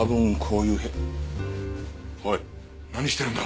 おい何してるんだ！？